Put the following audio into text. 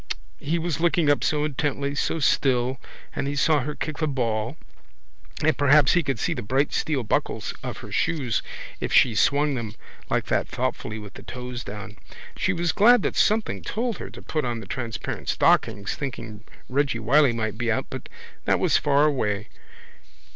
He was looking up so intently, so still, and he saw her kick the ball and perhaps he could see the bright steel buckles of her shoes if she swung them like that thoughtfully with the toes down. She was glad that something told her to put on the transparent stockings thinking Reggy Wylie might be out but that was far away.